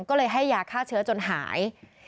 ก็เลยให้ยาฆ่าเชื้อจนหาย